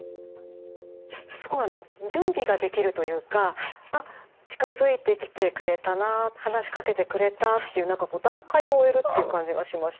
すごいあの準備ができるというかあっ近づいてきてくれたな話しかけてくれたっていう何かこう段階を追えるっていう感じがしました。